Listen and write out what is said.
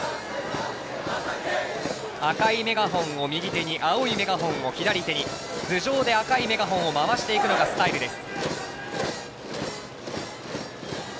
赤いメガホンを右手に青いメガホンを左手に頭上で赤いメガホンを回していくのがスタイルです。